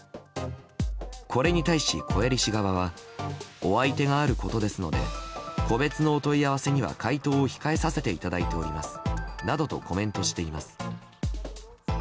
これに対し、小鑓氏側はお相手があることですので個別のお問い合わせには回答を控えさせていただいておりますなどとコメントしています。